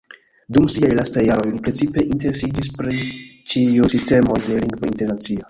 Dum siaj lastaj jaroj li precipe interesiĝis pri ĉiuj sistemoj de Lingvo Internacia.